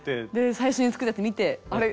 最初に作ったやつ見てあれ？